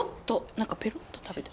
何かペロッと食べて。